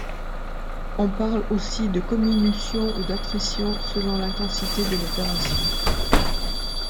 On parle aussi de comminution ou d'attrition selon l'intensité de l'opération.